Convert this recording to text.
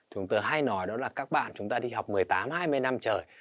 chúng tôi hay nói đó là các bạn chúng ta đi học một mươi tám hai mươi năm trời